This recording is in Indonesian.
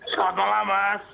selamat malam mas